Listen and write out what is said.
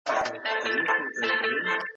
چي دولتمند یې که دربدر یې